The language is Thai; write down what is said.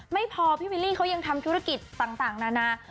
ไม่พอพี่วิลลี่เขายังทำธุรกิจต่างนานา